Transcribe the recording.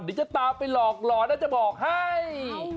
เดี๋ยวจะตามไปหลอกหล่อน่าจะบอกให้